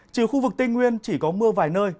trừ khu vực tây nguyên chỉ có mưa vài nơi